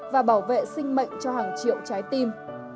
và bảo vệ sinh mệnh cho hàng triệu trái tim